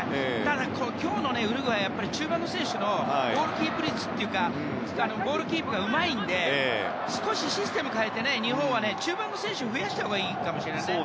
だから今日のウルグアイは中盤の選手のボールキープ率というかボールキープがうまいので少しシステムを変えて日本は、中盤の選手を増やしたほうがいいかもしれないね。